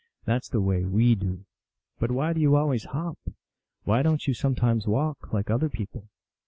That s the way we do." " But why do you always hop ? Why don t you sometimes walk, like other people